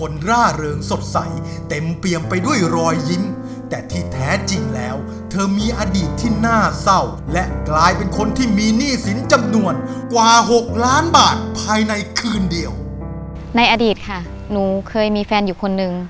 ในอดีตค่ะหนูเคยมีแฟนอยู่คนนึง